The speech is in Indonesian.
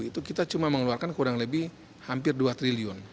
itu kita cuma mengeluarkan kurang lebih hampir dua triliun